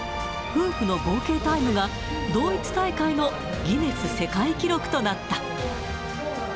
夫婦の合計タイムが、同一大会のギネス世界記録となった。